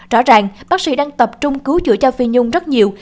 rõ ràng bác sĩ đang tập trung cứu chữa cho phi nhung rất nhiều